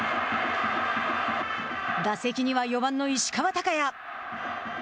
打席には４番の石川昂弥。